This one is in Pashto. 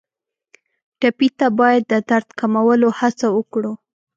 ټپي ته باید د درد کمولو هڅه وکړو.